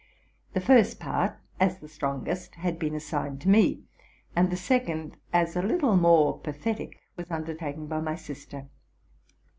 The first part, as the strongest, had been assigned to me; and the second, as a little more pathetic, was undertaken by my sister.